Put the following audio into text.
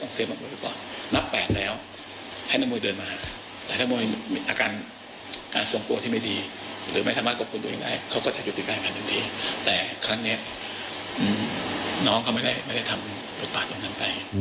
น้องก็ไม่ได้ทำกฎปากตรงนั้นไป